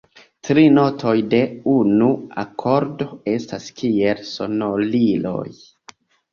Tri notoj de unu akordo estas kiel sonoriloj.